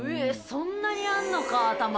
そんなにあんのか卵！